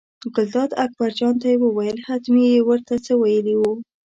ګلداد اکبرجان ته وویل حتمي یې ور ته څه ویلي وو.